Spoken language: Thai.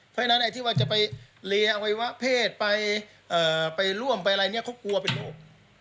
เพราะฉะนั้นไอ้ที่ว่าจะไปเลอวัยวะเพศไปร่วมไปอะไรเนี่ยเขากลัวเป็นโรค